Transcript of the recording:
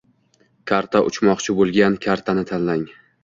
Karta Uchmoqchi bo'lgan kartani tanlang